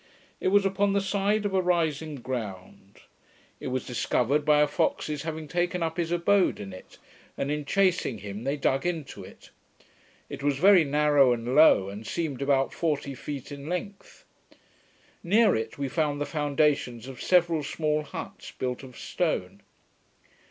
It was upon the side of a rising ground. It was discovered by a fox's having taken up his abode in it, and in chasing him, they dug into it. It was very narrow and low, and seemed about forty feet in length. Near it, we found the foundations of several small huts, built of stone.